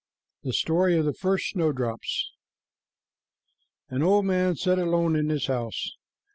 THE STORY OF THE FIRST SNOWDROPS. An old man sat alone in his house.